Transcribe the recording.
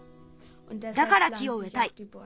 だから木をうえたい。